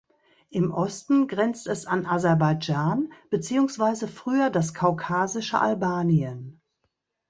Im Osten grenzt es an Aserbaidschan beziehungsweise früher das kaukasische Albanien.